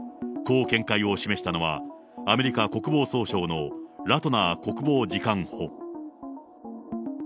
こう見解を示したのは、アメリカ国防総省のラトナー国防次官補。